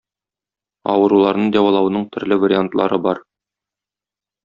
Авыруларны дәвалауның төрле вариантлары бар.